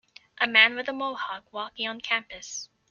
A man with a Mohawk walking on campus.